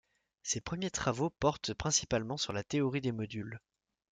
Ses premiers travaux portent principalement sur la théorie des modules.